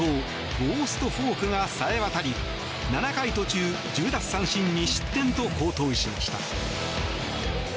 ゴーストフォークがさえわたり７回途中１０奪三振２失点と好投しました。